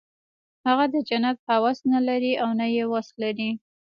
هغه د جنت هوس نه لري او نه یې وس لري